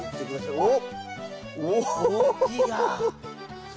おっ。